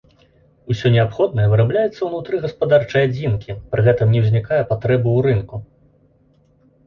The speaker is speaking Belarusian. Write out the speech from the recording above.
Усё неабходнае вырабляецца ўнутры гаспадарчай адзінкі, пры гэтым не ўзнікае патрэбы ў рынку.